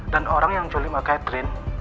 dan orang yang culik mbak catherine